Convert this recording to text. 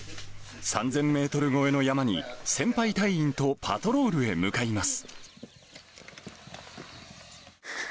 ３０００メートル超えの山に、先輩隊員とパトロールへ向かいます。